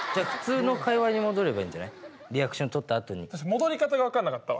戻り方が分かんなかったわ。